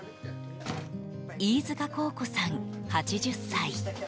飯塚孝子さん、８０歳。